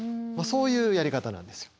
そういうやり方なんですよ。